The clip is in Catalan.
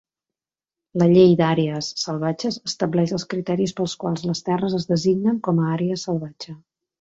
La Llei d'Àrees Salvatges estableix els criteris pels quals les terres es designen com a àrea salvatge.